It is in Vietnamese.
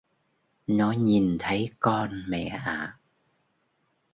Nó nhìn thấy con mẹ ạ